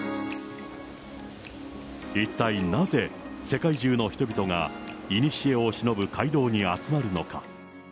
一体なぜ、世界中の人々が、いにしえをしのぶ街道に集まるのか。